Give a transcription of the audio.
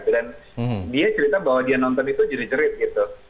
dan dia cerita bahwa dia nonton itu jerit jerit gitu